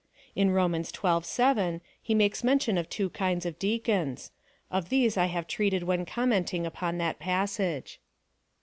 ^ In Romans xii. 7, he makes mention of two kinds of deacons. Of these I have treated when commenting upon that passage.